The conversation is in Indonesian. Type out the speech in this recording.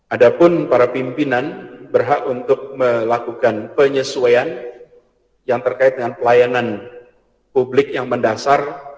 ada pun para pimpinan berhak untuk melakukan penyesuaian yang terkait dengan pelayanan publik yang mendasar